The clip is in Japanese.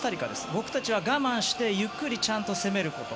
僕たちは我慢してゆっくりちゃんと攻めること。